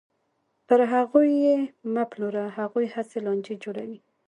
پر هغوی یې مه پلوره، هغوی هسې لانجې جوړوي.